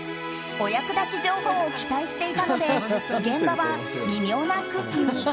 お役立ち情報を期待していたので現場は微妙な空気に。